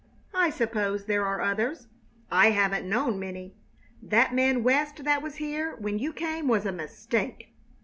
I suppose there are others. I haven't known many. That man West that was here when you came was a mistake!"